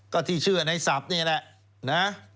ก็ที่เชื่อในศัพท์นี่แหละนะ